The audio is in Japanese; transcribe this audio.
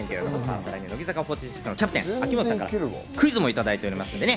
さらに乃木坂４６のキャプテン・秋元さんからクイズもいただいていますからね。